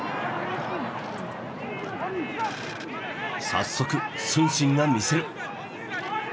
早速承信が見せる。